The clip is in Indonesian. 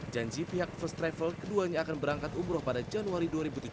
janji pihak first travel keduanya akan berangkat umroh pada januari dua ribu tujuh belas